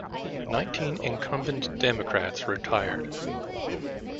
Nineteen incumbent Democrats retired.